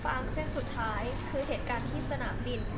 เส้นสุดท้ายคือเหตุการณ์ที่สนามบิน